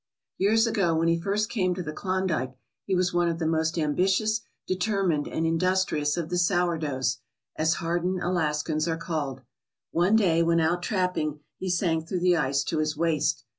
Years ago, when he first came to the Klondike, he was one of the most ambitious, determined, and industrious of the sourdoughs, as hardened Alaskans are called. One day when out trapping he sank through the ice to his waist.